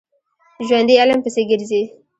ژوندي علم پسې ګرځي